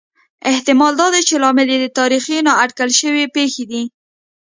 احتمال دا دی چې لامل یې د تاریخ نا اټکل شوې پېښې دي